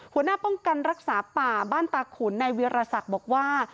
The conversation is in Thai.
หัวหน้าป้องกันรักษาป่าบ้านตาขุนในเวียรศักดิ์บอกว่า